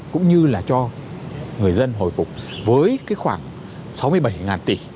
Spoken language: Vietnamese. cũng như là cho người dân hồi phục với cái khoảng sáu mươi bảy tỷ